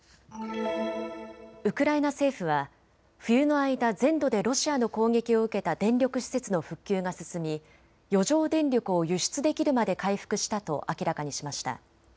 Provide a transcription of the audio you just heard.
ウクライナ政府は冬の間、全土でロシアの攻撃を受けた電力施設の復旧が進み余剰電力を輸出できるまで回復したと明らかにしました。